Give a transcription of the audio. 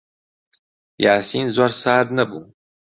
یاسین زۆر سارد نەبوو.